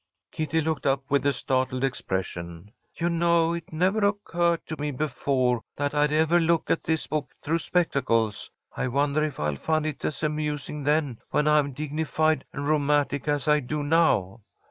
Kitty looked up with a startled expression. "You know, it never occurred to me before that I'd ever look at this book through spectacles. I wonder if I'll find it as amusing then, when I'm dignified and rheumatic, as I do now."